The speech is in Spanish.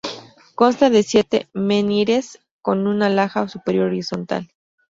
Consta de siete menhires con una laja superior horizontal.